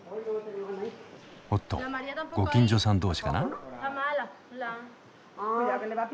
おっとご近所さん同士かな？